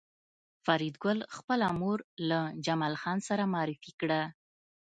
فریدګل خپله مور له جمال خان سره معرفي کړه